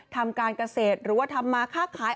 ทำการเกษตรหรือว่าทำมาค่าขาย